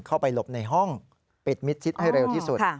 เข้าไปหลบในห้องปิดมิดชิดให้เร็วที่สุด